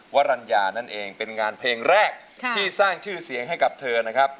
วรรณญานั่นเองเป็นงานเพลงแรกที่สร้างชื่อเสียงให้กับเธอนะครับ